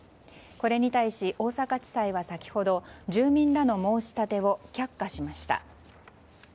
これに対し、大阪地裁は先ほど住民らの申し立てを却下しました。